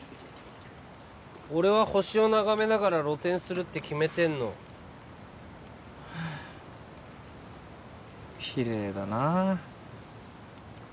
俺は星を眺めながら露天するって決めてんのはあきれいだなあ